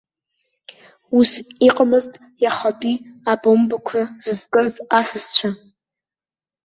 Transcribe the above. Ус иҟамызт иахатәи абомбақәа зызкыз асасцәа.